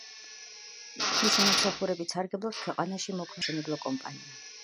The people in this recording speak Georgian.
მისი მომსახურებით სარგებლობს ქვეყანაში მოქმედი არაერთი მსხვილი სამშენებლო კომპანია.